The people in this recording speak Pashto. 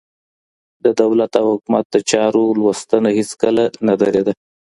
د دولت او حکومت د چارو لوستنه هيڅکله نه درېده.